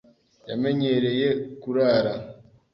Yamenyereye kurara.